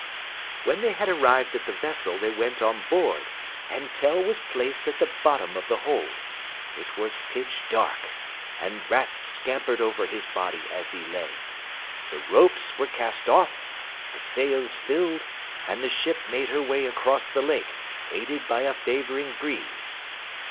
When they had arrived at the vessel they went on board, and Tell was placed at the bottom of the hold. It was pitch dark, and rats scampered over his body as he lay. The ropes were cast off, the sails filled, and the ship made her way across the lake, aided by a favouring breeze.